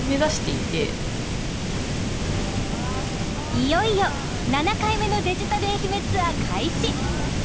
いよいよ７回目のデジタル愛媛ツアー開始。